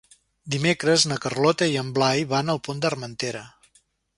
Dimecres na Carlota i en Blai van al Pont d'Armentera.